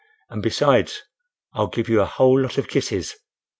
—"And besides, I'll give you a whole lot of kisses."